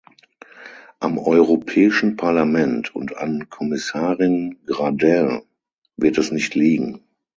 Am Europäischen Parlament und an Kommissarin Gradin wird es nicht liegen.